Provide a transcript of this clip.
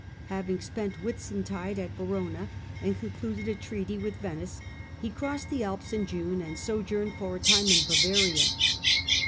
Having spent Whitsuntide at Verona, and concluded a treaty with Venice, he crossed the Alps in June, and sojourned for a time in Bavaria.